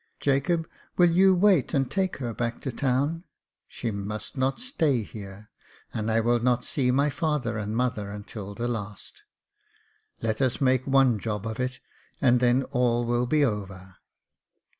"Jacob, will you wait and take her back to town ?— she must not stay here — and I will not see my father and mother until the last. Let us make one job of it, and then all will be over."